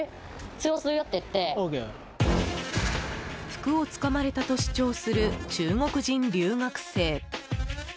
服をつかまれたと主張する中国人留学生。